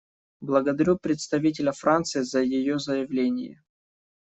Благодарю представителя Франции за ее заявление.